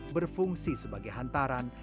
berfungsi sebagai hantaran